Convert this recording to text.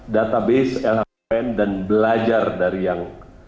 database lhpn dan belajar dari yang